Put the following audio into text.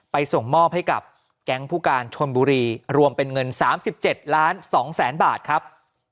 ไปส่งมอบให้กับแก๊งผู้การชนบุรีรวมเป็นเงินสามสิบเจ็ดล้านสองแสนบาทครับ